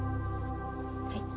はい。